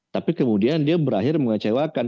tapi kemudian dia berakhir mengecewakan